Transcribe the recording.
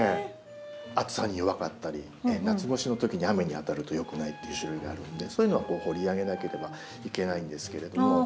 暑さに弱かったり夏越しのときに雨に当たるとよくないっていう種類があるんでそういうのは掘り上げなければいけないんですけれども。